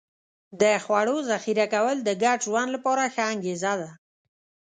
د خوړو ذخیره کول د ګډ ژوند لپاره ښه انګېزه ده.